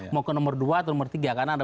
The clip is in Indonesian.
mau ke nomor dua atau nomor tiga karena ada